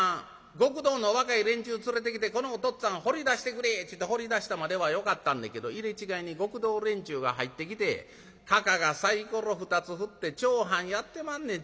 極道の若い連中連れてきてこのおとっつぁん放り出してくれっちゅうて放り出したまではよかったんだけど入れ違いに極道連中が入ってきてたかがさいころ２つ振って丁半やってまんねん。